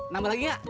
tambah lagi gak